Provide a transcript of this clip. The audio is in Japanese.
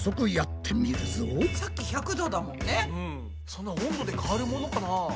そんな温度で変わるものかな？